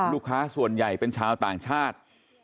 ลูกค้าส่วนใหญ่เป็นชาวต่างชาติ